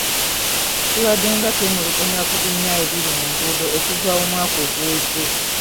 Tubaddenga twemulugunya ku binnya ebiri mu nguudo okuva omwaka oguwedde.